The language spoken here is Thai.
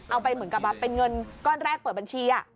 เหมือนกับเป็นเงินก้อนแรกเปิดบัญชี